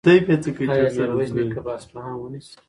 ایا میرویس نیکه به اصفهان ونیسي؟